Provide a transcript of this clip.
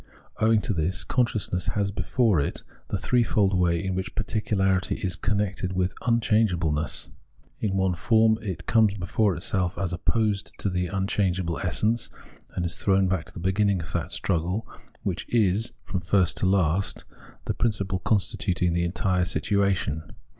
Owing to this, consciousness has before it the threefold way in which particularity is connected with unchangeable ness. In one form it comes before itself as opposed to the imchangeable essence, and is thrown back to the beginning of that struggle, which is, from first to last, the principle constituting the entire situation.